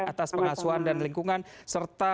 atas pengasuhan dan lingkungan serta